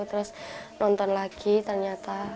terus nonton lagi ternyata